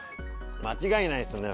間違いないですね